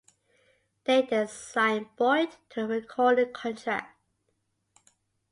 They then signed Boyd to a recording contract.